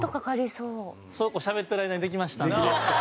そうこうしゃべってる間にできましたんで。